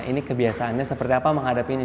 ini kebiasaannya seperti apa menghadapinya